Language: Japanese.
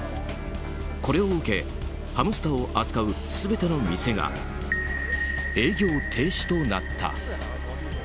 これを受け、ハムスターを扱う全ての店が営業停止となった。